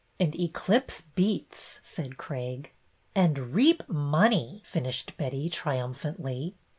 " And Eclipse beets," said Craig. " And reap money," finished Betty, trium phantly.